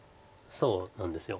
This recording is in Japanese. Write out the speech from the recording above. そうなんです。